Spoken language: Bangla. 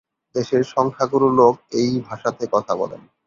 দেশের সংখ্যাগুরু লোক এই ভাষাতে কথা বলেন।